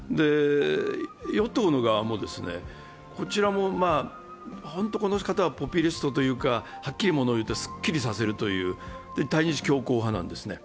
与党の側も、こちらも本当にこの方はポピュリストいうか、はっきり物を言ってすっきりさせるという対日強硬派なんです。